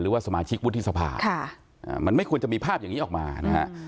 หรือว่าสมาชิกวุฒิสภามันไม่ควรจะมีภาพอย่างนี้ออกมานะฮะ